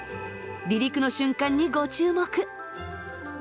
離陸の瞬間にご注目！